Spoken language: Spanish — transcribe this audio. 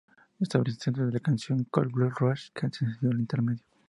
Estaba centrado en la canción "Coal Black Rose", que antecedió al intermedio.